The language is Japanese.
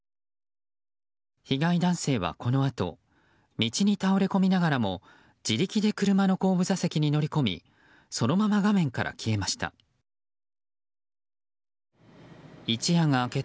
被害男性は、このあと道に倒れ込みながらも自力で車の後部座席に乗り込みそのまま画面から消えました。